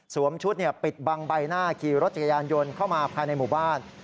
ชุดปิดบังใบหน้าขี่รถจักรยานยนต์เข้ามาภายในหมู่บ้าน